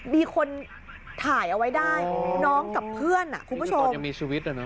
มีคนถ่ายเอาไว้ได้น้องกับเพื่อนคุณผู้ชมยังมีชีวิตอ่ะนะ